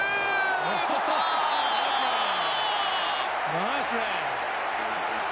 ナイスプレー。